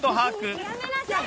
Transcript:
やめなさい！